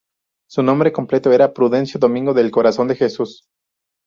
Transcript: Su nombre completo era "Prudencio Domingo del Corazón de Jesús".